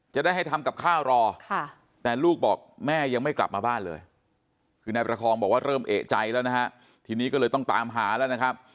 จะได้ให้ทำกับข้าวรอแต่ลูกบอกแม่ยังไม่กลับมาบ้านเลยคือนายประคองบอกว่าเริ่มเอกใจแล้วนะฮะทีนี้ก็เลยต้องตามหาแล้วนะครับ